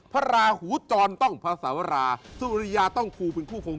พระลาหูจรต้องพาสวราสุริยาต้องภูมิคู่คง